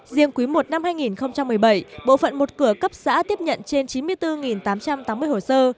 riêng quý i năm hai nghìn một mươi bảy bộ phận một cửa cấp xã tiếp nhận trên chín mươi bốn tám trăm tám mươi hồ sơ